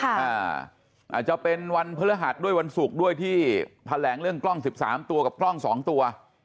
อาจจะเป็นวันพฤหัสด้วยวันศุกร์ด้วยที่แถลงเรื่องกล้อง๑๓ตัวกับกล้องสองตัว